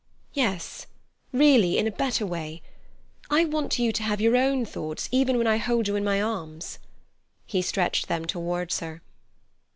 "Yes—really in a better way. I want you to have your own thoughts even when I hold you in my arms." He stretched them towards her.